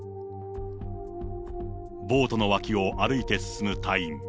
ボートの脇を歩いて進む隊員。